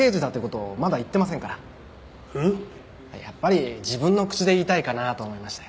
やっぱり自分の口で言いたいかなと思いまして。